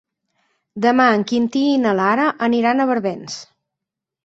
Demà en Quintí i na Lara aniran a Barbens.